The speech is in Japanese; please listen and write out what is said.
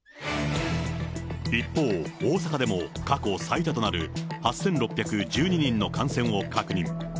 一方、大阪でも過去最多となる８６１２人の感染を確認。